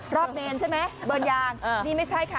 เมนใช่ไหมเบิร์นยางนี่ไม่ใช่ค่ะ